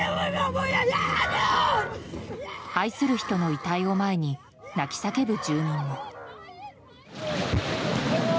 愛する人の遺体を前に泣き叫ぶ住民も。